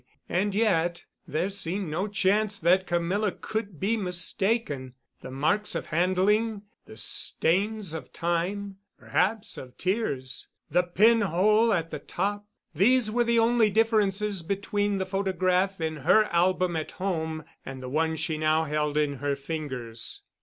And yet there seemed no chance that Camilla could be mistaken. The marks of handling, the stains of Time—perhaps of tears—the pin hole at the top, these were the only differences between the photograph in her album at home and the one she now held in her fingers.